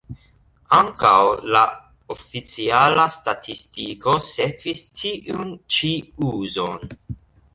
Ankaŭ la oficiala statistiko sekvis tiun ĉi uzon.